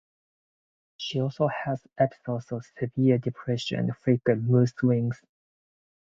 She also has episodes of severe depression and frequent mood swings.